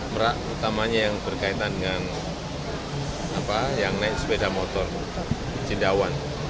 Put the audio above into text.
merak utamanya yang berkaitan dengan yang naik sepeda motor jendawan